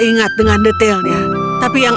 ingat dengan detailnya tapi yang